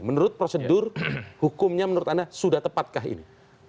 menurut prosedur hukumnya menurut anda sudah tepatkah ini